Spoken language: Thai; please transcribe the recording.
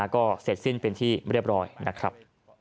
ก็เสร็จสิ้นเป็นที่เรียบร้อยนะครับ